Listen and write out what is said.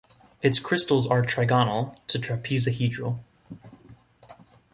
Its crystals are trigonal to trapezohedral.